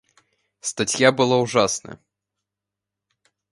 Статья была ужасна.